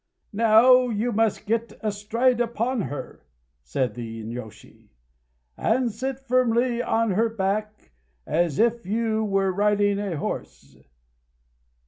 "Now you must get astride upon her," said the inyôshi, "and sit firmly on her back, as if you were riding a horse....